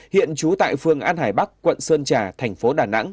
hiện trú tại phường an hải bắc quận sơn trà tp đà nẵng